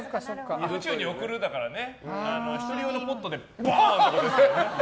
宇宙に送るだから１人用のポッドでボーンってことですからね。